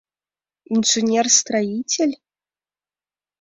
Инженер-строитель?